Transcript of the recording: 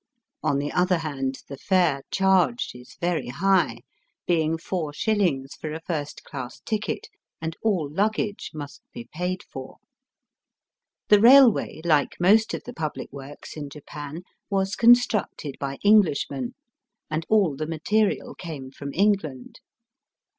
On the other hand the fare charged is very high, being four shillings for a first class ticket, and aU luggage must be paid for. The railway, like most of the public works in Japan, was constructed by Englishmen, and aU the material came from England.